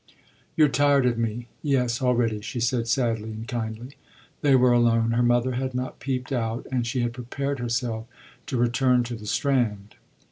"You're tired of me yes, already," she said sadly and kindly. They were alone, her mother had not peeped out and she had prepared herself to return to the Strand.